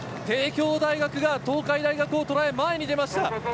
帝京大学が東海大学を捉え前に出ました。